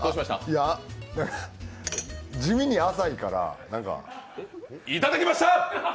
いや、地味に浅いから、なんかいただきました！